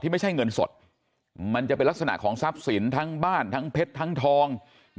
ไม่ใช่เงินสดมันจะเป็นลักษณะของทรัพย์สินทั้งบ้านทั้งเพชรทั้งทอง